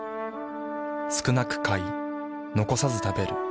少なく買い残さず食べる。